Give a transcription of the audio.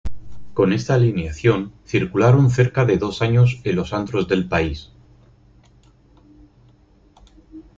Con esta alineación circularon cerca de dos años en los antros del país.